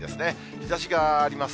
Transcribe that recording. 日ざしがあります。